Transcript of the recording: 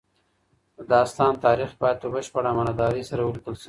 د داستان تاریخ باید په بشپړ امانتدارۍ سره ولیکل سي.